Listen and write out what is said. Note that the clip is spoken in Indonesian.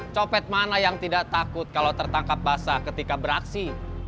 copet mana yang tidak takut kalau tertangkap basah ketika beraksi